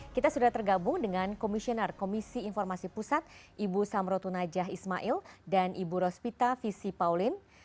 kita sudah tergabung dengan komisioner komisi informasi pusat ibu samrotunajah ismail dan ibu rospita visi pauline